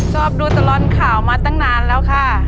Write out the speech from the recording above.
ชอบดูตลอดข่าวมาตั้งนานแล้วค่ะ